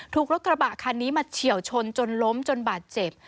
ถูกรถกระบะคันนี้มาเฉียวชนจนล้มจนบาดเจ็บ